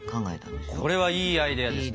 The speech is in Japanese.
これはいいアイデアですね。